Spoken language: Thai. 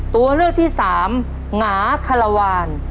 ตัวเลือดที่๓หงาม